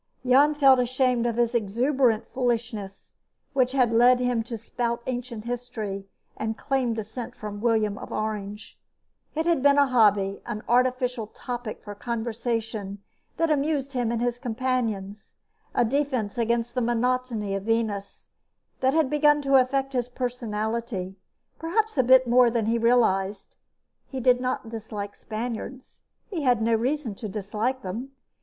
Jan felt ashamed of the exuberant foolishness which had led him to spout ancient history and claim descent from William of Orange. It had been a hobby, and artificial topic for conversation that amused him and his companions, a defense against the monotony of Venus that had begun to affect his personality perhaps a bit more than he realized. He did not dislike Spaniards; he had no reason to dislike them.